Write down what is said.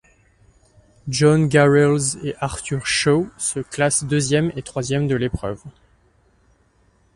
John Garrels et Arthur Shaw, se classent deuxième et troisième de l'épreuve.